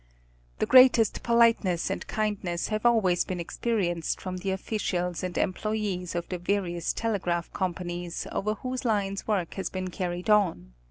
The greatest politeness and kindness have always been expe rienced from the officials and employees of the various telegraph companies over whose lines work has been carried on.